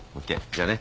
じゃあね。